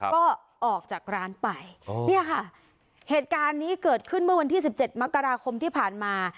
ก็ออกจากร้านไปเนี่ยค่ะเหตุการณ์นี้เกิดขึ้นเมื่อวันที่๑๗มกราคมที่ผ่านมา